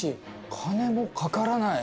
金もかからない。